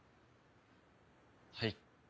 はい。